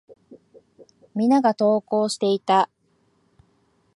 皆が登校していた。